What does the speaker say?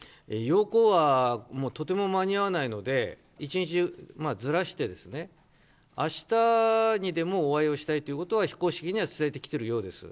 要綱は、もうとても間に合わないので、１日ずらして、あしたにでもお会いをしたいということは、非公式にも伝えてきてるようです。